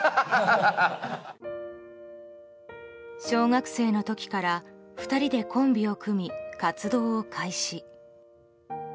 小学生の時から２人でコンビを組み活動を開始。